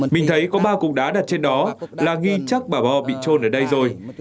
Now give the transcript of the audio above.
mình thấy có ba cục đá đặt trên đó là nghi chắc bà bo bị trôn ở đây rồi